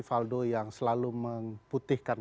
valdo yang selalu memputihkan